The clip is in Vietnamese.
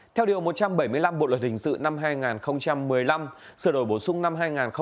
theo điều một trăm bảy mươi năm bộ luật hình sự năm hai nghìn một mươi năm sửa đổi bổ sung năm hai nghìn một mươi bảy